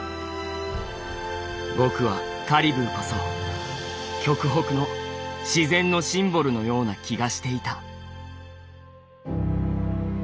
ぼくはカリブーこそ極北の自然のシンボルのような気がしていた」。